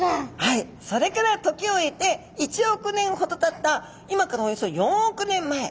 それから時を経て１億年ほどたった今からおよそ４億年前。